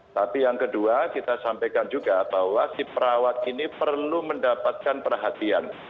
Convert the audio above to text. tapi yang kedua kita sampaikan juga bahwa si perawat ini perlu mendapatkan perhatian